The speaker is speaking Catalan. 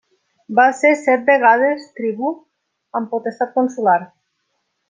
Va ser set vegades tribú amb potestat consular.